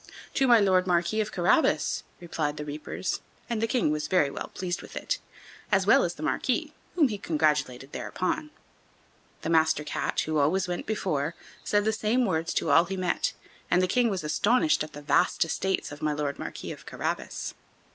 "To my Lord Marquis of Carabas," replied the reapers, and the King was very well pleased with it, as well as the Marquis, whom he congratulated thereupon. The Master Cat, who went always before, said the same words to all he met, and the King was astonished at the vast estates of my Lord Marquis of Carabas.